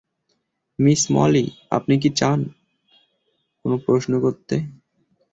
Miss Molly, আপনি কি কোনো প্রশ্ন করতে চান?